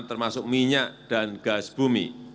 termasuk minyak dan gas bumi